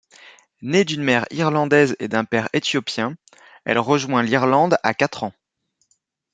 Née d'une mère irlandaise et d'un père éthiopien, elle rejoint l'Irlande à quatre ans.